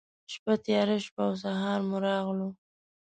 شپّه تېره شوه او سهار مو راغلو.